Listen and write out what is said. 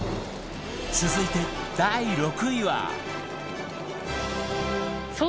続いて第６位は